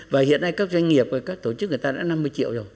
và hiện nay các doanh nghiệp và các tổ chức người ta đã năm mươi triệu rồi